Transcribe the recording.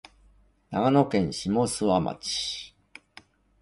長野県下諏訪町